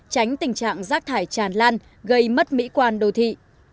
tránh tình trạng rác thải tràn lan gây mất mỹ quan đô thị